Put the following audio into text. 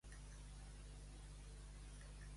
Ix-me del davant!